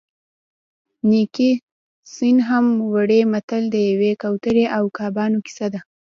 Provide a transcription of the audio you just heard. نیکي سین هم نه وړي متل د یوې کوترې او کبانو کیسه ده